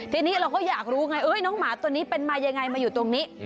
ทีนี้เราก็อยากรู้ไงน้องหมาตัวนี้เป็นมายังไงมาอยู่ตรงนี้